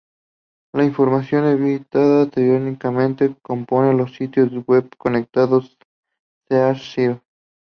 La información enviada, teóricamente, compone los sitios web conectados a "Year Zero".